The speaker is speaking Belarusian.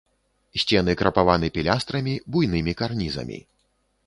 Сцены крапаваны пілястрамі, буйнымі карнізамі.